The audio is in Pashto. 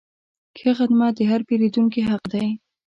ښه خدمت د هر پیرودونکي حق دی.